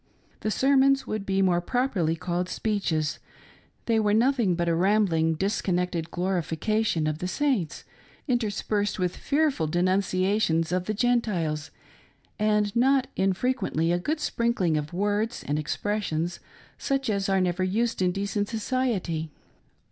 The " sermons " would be more properly called speeches — they were nothing but a rambling, disconnected glorification of the Saints, interspersed with fearful denunciations of the Gentiles, and not infre quently a good sprinkling of words and expressions such as are never used in decent society.